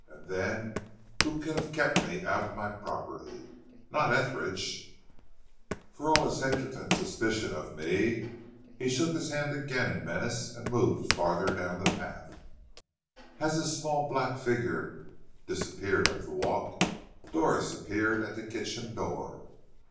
And then who could have kept me out of my property? Not Etheridge, for all his hatred and suspicion of me." He shook his hand again in menace and moved farther down the path. As his small black figure disappeared up the walk Doris appeared at the kitchen door.